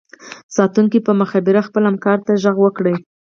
ساتونکي په مخابره خپل همکار ته غږ وکړو